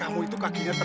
anda udah ilang mother